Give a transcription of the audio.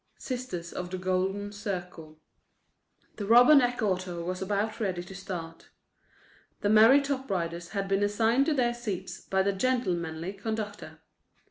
SISTERS OF THE GOLDEN CIRCLE The Rubberneck Auto was about ready to start. The merry top riders had been assigned to their seats by the gentlemanly conductor.